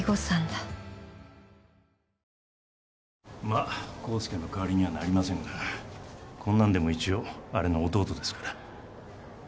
まあ幸助の代わりにはなりませんがこんなんでも一応あれの弟ですから。